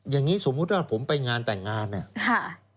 อย่างนี้สมมุติว่าผมไปงานแต่งงานเนี่ย